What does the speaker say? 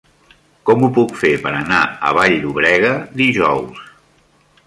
Com ho puc fer per anar a Vall-llobrega dijous?